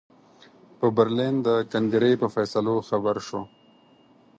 په برلین د کنګرې په فیصلو خبر شو.